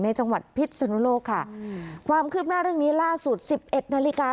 จังหวัดพิษสนุโลกค่ะความคืบหน้าเรื่องนี้ล่าสุดสิบเอ็ดนาฬิกา